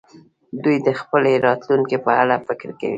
دوی د خپلې راتلونکې په اړه فکر کوي.